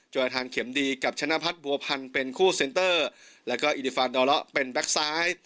ประธานเข็มดีกับชนะพัฒน์บัวพันธ์เป็นคู่เซ็นเตอร์แล้วก็อิริฟานดอเลาะเป็นแก๊กซ้าย